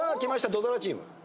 土ドラチーム。